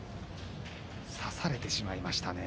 差されてしまいましたね。